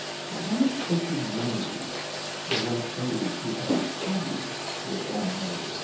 What unexpected woes Await those who have studied their bons mots!